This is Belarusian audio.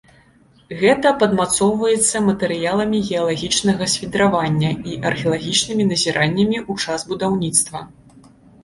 Гэта падмацоўваецца матэрыяламі геалагічнага свідравання і археалагічнымі назіраннямі ў час будаўніцтва.